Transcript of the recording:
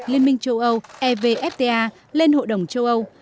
liên minh châu âu evfta lên hội đồng châu âu